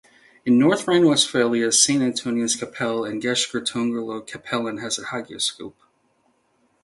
In Northrhine-Westphalia Saint Antonius-Kapelle in Gescher-Tungerloh-Capellen has a hagioscope.